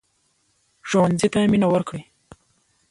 ښوونځی ته مينه ورکړئ